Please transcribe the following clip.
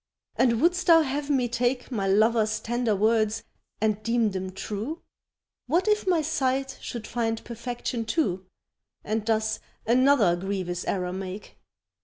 And wouldst thou have me take My lover's tender words and deem them true? What if my sight should find perfection, too, And thus another grievous error make?